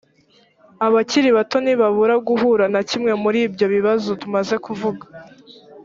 abakiri bato ntibabura guhura na kimwe muri ibyo bibazo tumaze kuvuga